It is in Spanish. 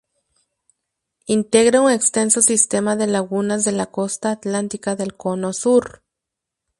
Integra un extenso sistema de lagunas de la costa atlántica del Cono Sur.